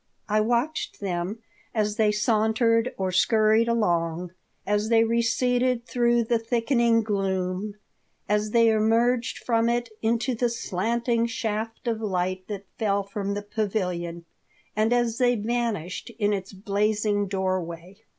I watched them as they sauntered or scurried along, as they receded through the thickening gloom, as they emerged from it into the slanting shaft of light that fell from the pavilion, and as they vanished in its blazing doorway.